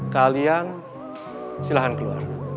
kalian silahkan keluar